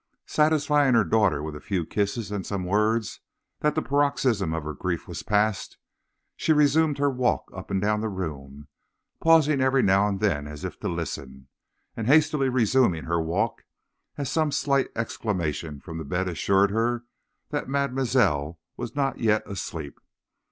Satisfying her daughter with a few kisses and some words that the paroxysm of her grief was past, she resumed her walk up and down the room, pausing every now and then as if to listen, and hastily resuming her walk as some slight exclamation from the bed assured her that mademoiselle was not yet asleep.